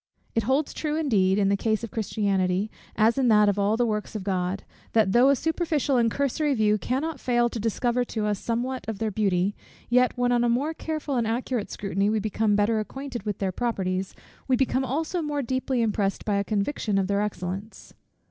It holds true, indeed, in the case of Christianity, as in that of all the works of God, that though a superficial and cursory view cannot fail to discover to us somewhat of their beauty; yet, when on a more careful and accurate scrutiny we become better acquainted with their properties, we become also more deeply impressed by a conviction of their excellence.